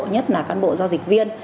nhất là cán bộ giao dịch viên